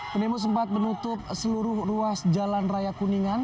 pendemo sempat menutup seluruh ruas jalan raya kuningan